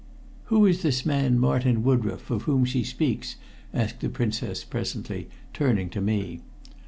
"Who is this man Martin Woodroffe, of whom she speaks?" asked the Princess presently, turning to me.